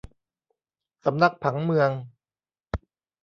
สำนักผังเมือง